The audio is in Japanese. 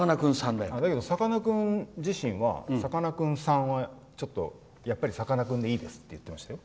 だけど、さかなクン自身はさかなクンさんは、ちょっとやっぱりさかなクンでいいですって言ってましたよ。